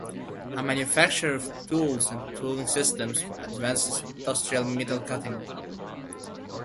A manufacturer of tools and tooling systems for advanced industrial metal cutting.